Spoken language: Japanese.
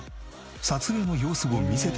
撮影の様子を見せて頂いた。